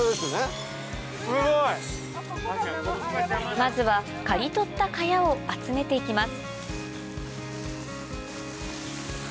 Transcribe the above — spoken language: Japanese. まずは刈り取った茅を集めていきます